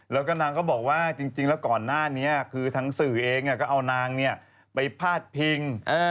แล้วก็นางก็บอกว่าจริงแล้วก่อนหน้านี้คือทั้งสื่อเองก็เอานางไปพาดพิง